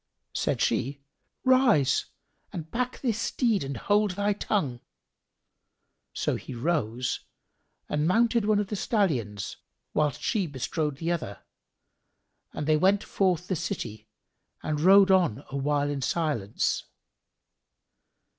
Said she "Rise and back this steed and hold thy tongue!" So he rose and mounted one of the stallions, whilst she bestrode the other, and they went forth the city and rode on awhile in silence.